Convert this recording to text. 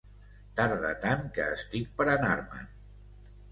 Tarda tant que estic per anar-me'n.